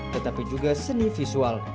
tetapi juga seni visual